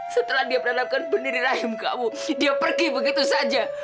setelah dia perhadapkan berdiri rahim kamu dia pergi begitu saja